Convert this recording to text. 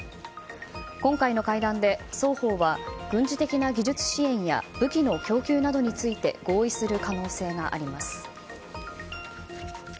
今回の会談で、双方は軍事的な技術支援や武器の供給などについて合意する可能性があります。